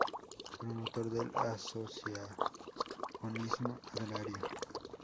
Promotor del asociacionismo agrario.